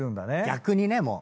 逆にねもう。